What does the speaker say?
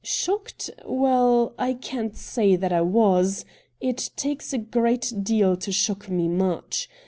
Shocked ?— well, I can't say that I was — it takes a great deal to shock me much.